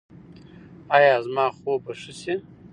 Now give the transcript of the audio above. ایا زما خوب به ښه شي؟